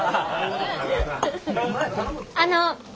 あの。